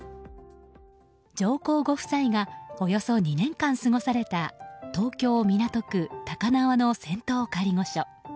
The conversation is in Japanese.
上皇ご夫妻がおよそ２年間過ごされた東京・港区高輪の仙洞仮御所。